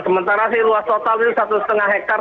sementara sih luas total ini satu lima hektare